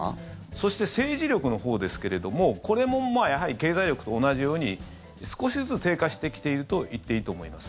そして政治力のほうですけれどもこれもやはり経済力と同じように少しずつ低下してきていると言っていいと思います。